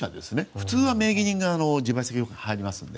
普通は名義人が自賠責保険に入りますので。